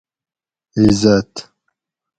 عزت